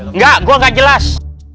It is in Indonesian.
enggak gua gak jelas